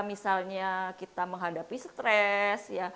misalnya kita menghadapi stres